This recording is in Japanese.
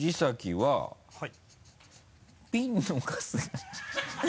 はい。